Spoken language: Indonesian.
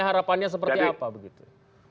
harapannya seperti apa begitu